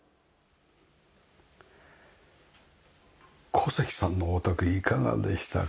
小関さんのお宅いかがでしたか？